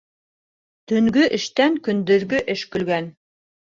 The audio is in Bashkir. Төнгө эштән көндөҙгө эш көлгән.